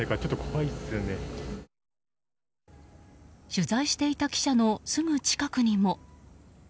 取材していた記者のすぐ近くにも。